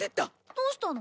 どうしたの？